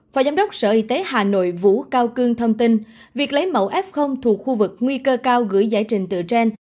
phó giám đốc sở y tế hà nội vũ cao cương thông tin việc lấy mẫu f thuộc khu vực nguy cơ cao gửi giải trình tự trên